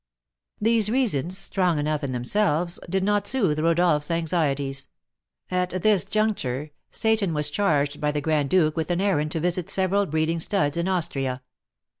These reasons, strong enough in themselves, did not soothe Rodolph's anxieties. At this juncture, Seyton was charged by the Grand Duke with an errand to visit several breeding studs in Austria.